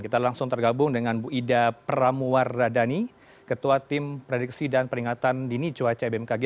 kita langsung tergabung dengan bu ida pramuwar radani ketua tim prediksi dan peringatan dini cuaca bmkg